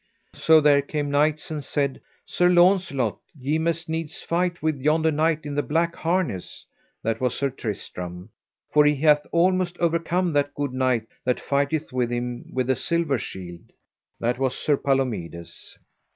So there came knights and said: Sir Launcelot, ye must needs fight with yonder knight in the black harness, that was Sir Tristram, for he hath almost overcome that good knight that fighteth with him with the silver shield, that was Sir Palomides.